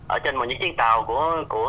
ở trên một chiếc chiếc tàu của ngư dân á